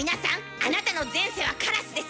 あなたの前世はカラスです。